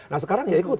nah sekarang ya ikut